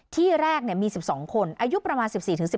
ที่แรกมี๑๒คนอายุประมาณ๑๔๑๘